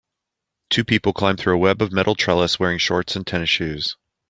Two people climb through a web of metal trellis wearing shorts and tennis shoes.